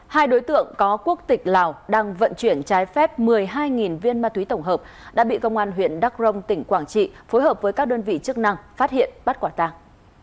hai đối tượng có quốc tịch lào đang vận chuyển trái phép một mươi hai viên ma túy tổng hợp đã bị công an huyện đắk rông tỉnh quảng trị phối hợp với các đơn vị chức năng phát hiện bắt quả tàng